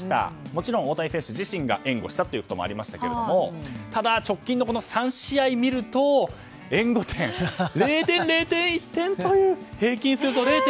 もちろん大谷選手自身が援護したということもありましたけれどもただ、直近３試合を見ると援護点が０点、０点、１点という平均０．３点。